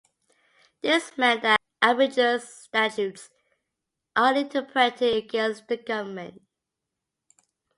This meant that ambiguous statutes are interpreted against the government.